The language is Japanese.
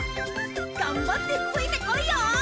頑張ってついてこいよ。